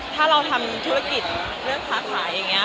ถ้าเราทำธุรกิจขาขายอย่างนี้